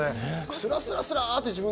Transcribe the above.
スラスラスラって。